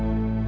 aku mau pergi